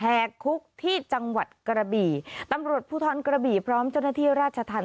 คุกที่จังหวัดกระบี่ตำรวจภูทรกระบี่พร้อมเจ้าหน้าที่ราชธรรม